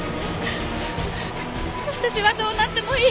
私はどうなってもいい。